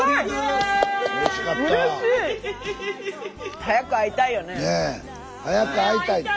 早く会いたいって。